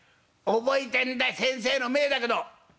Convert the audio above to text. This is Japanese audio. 覚えてんだ先生の前だけど。